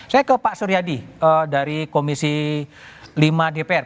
saya ke pak suryadi dari komisi lima dpr